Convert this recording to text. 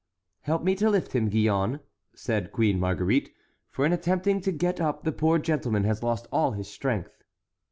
"Help me to lift him, Gillonne," said Queen Marguerite; "for in attempting to get up the poor gentleman has lost all his strength."